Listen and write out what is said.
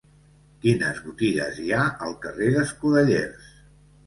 Quines botigues hi ha al carrer d'Escudellers?